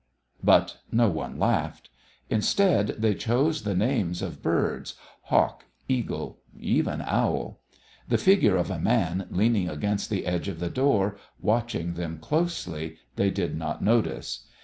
But no one laughed. Instead, they chose the names of birds hawk, eagle, even owl. The figure of a man leaning against the edge of the door, watching them closely, they did not notice.